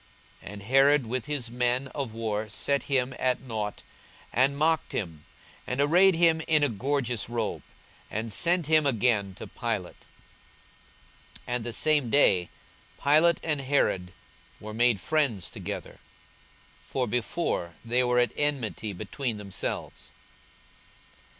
42:023:011 And Herod with his men of war set him at nought, and mocked him, and arrayed him in a gorgeous robe, and sent him again to Pilate. 42:023:012 And the same day Pilate and Herod were made friends together: for before they were at enmity between themselves.